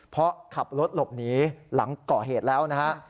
เพราะขับรถหลบหนีหลังเหตุแล้ว